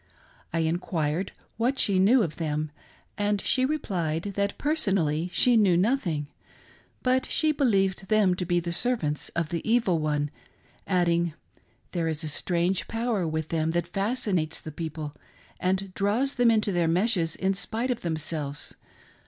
I enquired what she knew of them, and she replied that personally she knew nothing, but she believed them to be servants of the Evil One, adding, " There is a strange power with them that fascinates the peo ple and draws them into their meshes in spite of themselves.